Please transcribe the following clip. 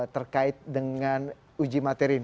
terkait dengan uji materin